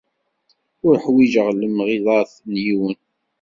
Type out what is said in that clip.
ur ḥwiǧeɣ lemɣiḍat n yiwen.